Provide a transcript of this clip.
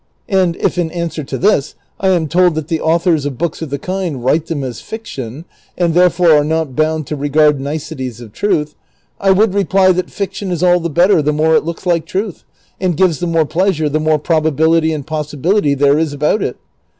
And if, in answer to this, I am told that the authors of books of the kind Avrite them as fiction, and therefore are not bound to regard ruceties of truth, I would reply that fiction is all the better the more it looks like truth, and gives the more pleasure the more probability and possibility there is about it.